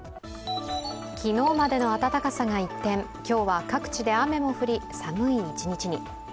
昨日までの暖かさが一転今日は各地で雨も降り寒い一日に。